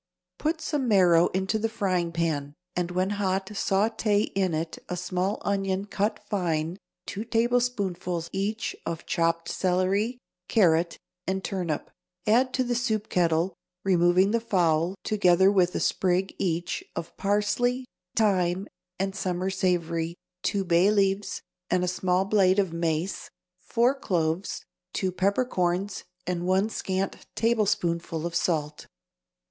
Put some marrow into the frying pan, and when hot sauté in it a small onion cut fine, two tablespoonfuls, each, of chopped celery, carrot and turnip; add to the soup kettle, removing the fowl, together with a sprig, each, of parsley, thyme and summer savory, two bay leaves, a small blade of mace, four cloves, two peppercorns and one scant tablespoonful of salt.